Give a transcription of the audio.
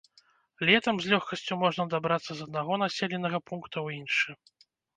Летам з лёгкасцю можна дабрацца з аднаго населенага пункта ў іншы.